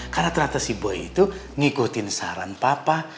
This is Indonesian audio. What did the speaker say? karena ternyata si boy itu ngikutin saran papa